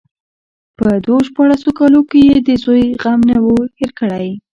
په دو شپاړسو کالو کې يې د زوى غم نه وي هېر کړى.